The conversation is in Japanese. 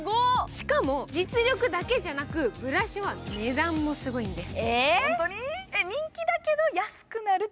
しかも、実力だけじゃなく、ブラショは値段もすごいんです。